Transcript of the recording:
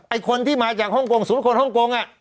ไอ้คนที่มาจากฮ่องกงสมมุติคนฮ่องกงอ่ะ